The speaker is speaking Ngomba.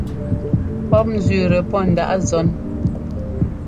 Pɔ́p nzẅíꞌtɛ pɔ́ ndaꞌ zɔ́n.